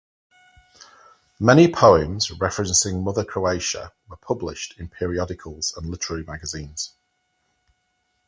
Many poems referencing Mother Croatia were published in periodicals and literary magazines.